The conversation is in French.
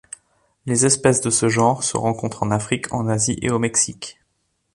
Les espèces de ce genre se rencontrent en Afrique, en Asie et au Mexique.